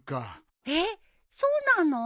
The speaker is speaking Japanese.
えっそうなの？